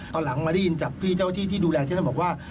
ตอนหลังมาได้ยินจากพี่เจ้าที่ที่ดูแลที่นั่นบอกว่า